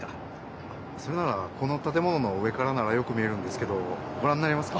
それならこのたてものの上からならよく見えるんですけどごらんになりますか？